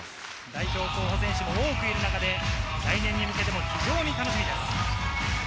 代表候補選手も多くいる中で、来年に向けて非常に楽しみです。